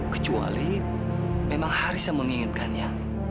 kecuali memang haris yang menginginkannya